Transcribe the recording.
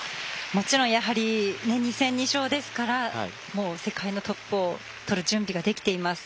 もちろん２戦２勝ですから世界のトップをとる準備ができています。